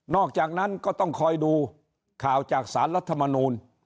อกจากนั้นก็ต้องคอยดูข่าวจากสารรัฐมนูล